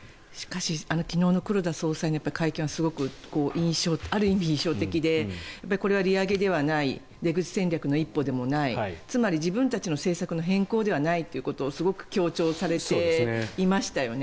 昨日の黒田総裁の会見はある意味、印象的でこれは利上げではない出口戦略の一歩でもない。つまり自分たちの政策の変更ではないということをすごく強調されていましたよね。